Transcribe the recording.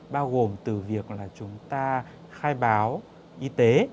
bao gồm từ việc là chúng ta khai báo y tế